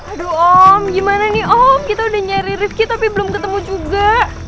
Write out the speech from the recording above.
aduh om gimana nih oh kita udah nyari rivki tapi belum ketemu juga